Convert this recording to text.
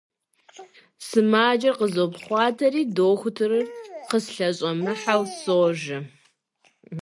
Сымаджэр къызопхъуатэри дохутырыр къыслъэщӀэмыхьэу сожэ…